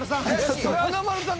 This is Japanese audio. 華丸さん。